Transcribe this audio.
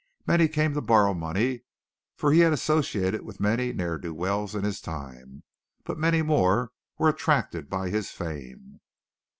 Many came to borrow money, for he had associated with many ne'er do wells in his time, but many more were attracted by his fame.